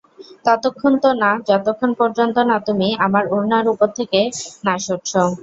ততক্ষণ তো না যতক্ষন পর্যন্ত না তুমি আমার উড়নার উপর থেকে না সরছ।